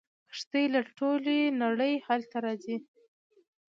کښتۍ له ټولې نړۍ هلته راځي.